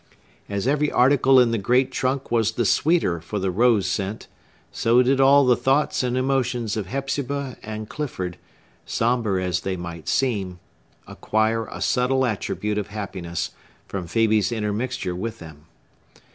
As every article in the great trunk was the sweeter for the rose scent, so did all the thoughts and emotions of Hepzibah and Clifford, sombre as they might seem, acquire a subtle attribute of happiness from Phœbe's intermixture with them.